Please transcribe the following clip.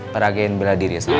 peragen beradir ya sama